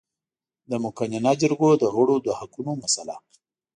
د مقننه جرګو د غړو د حقونو مسئله